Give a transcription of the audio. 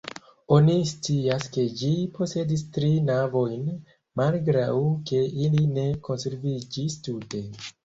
Oni scias, ke ĝi posedis tri navojn malgraŭ ke ili ne konserviĝis tute.